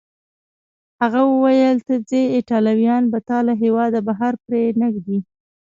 هغه وویل: ته ځې، ایټالویان به تا له هیواده بهر پرېنږدي.